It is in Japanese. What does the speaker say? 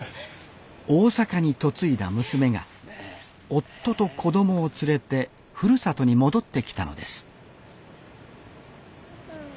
大阪に嫁いだ娘が夫と子供を連れてふるさとに戻ってきたのです